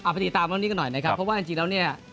ไปติดตามเรื่องนี้กันหน่อยนะครับเพราะว่าจริงแล้วเนี่ย